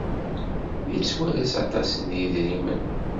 Yettwalas aṭas n yidrimen.